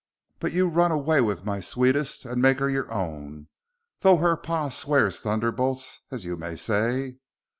But you run away with my sweetest and make her your own, though her pa swears thunderbolts as you may say.